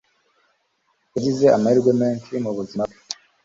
Yagize amahirwe menshi mubuzima bwe